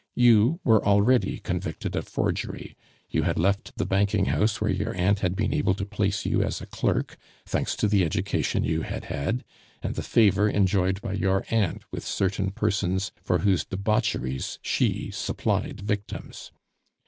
"You were already convicted of forgery; you had left the banking house where your aunt had been able to place you as clerk, thanks to the education you had had, and the favor enjoyed by your aunt with certain persons for whose debaucheries she supplied victims.